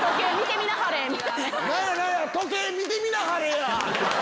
時計見てみなはれ。